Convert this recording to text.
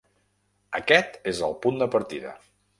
Aquest és el punt de partida.